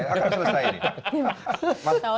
akan selesai ini